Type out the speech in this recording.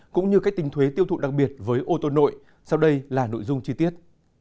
cũng như cách tính thuế tiêu thụ đặc biệt với ô tô nội sau đây là nội dung chi tiết